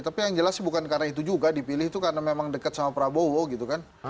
tapi yang jelas bukan karena itu juga dipilih itu karena memang dekat sama prabowo gitu kan